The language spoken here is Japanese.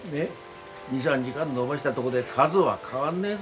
２３時間延ばしたどごで数は変わんねえぞ。